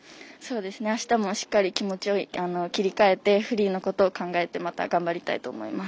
あしたもしっかり気持ちを切り替えてフリーのことを考えてまた頑張りたいと思います。